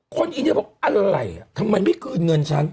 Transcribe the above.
คนอีเหี้ยบอกอะไรทำไมไม่คืนเงินชั้น